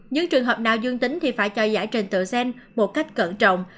những trường hợp nào dương tính thì phải cho giải trình tựa sen một cách cẩn trọng